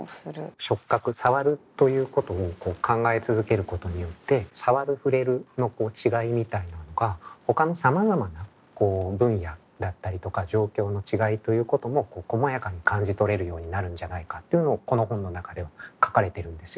触覚さわるということを考え続けることによってさわるふれるの違いみたいなのがほかのさまざまな分野だったりとか状況の違いということもこまやかに感じ取れるようになるんじゃないかというのをこの本の中では書かれてるんですよね。